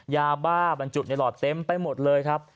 ยาบ้าบรรจุดไนลอตเต็มไปหมดเลยครับ